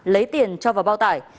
lấy tiền cho vào bao tải